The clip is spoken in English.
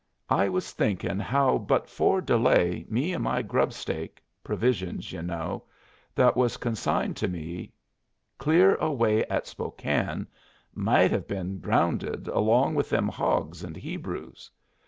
I was thinkin' how but for delay me and my grubstake provisions, ye know that was consigned to me clear away at Spokane, might hev been drownded along with them hogs and Hebrews.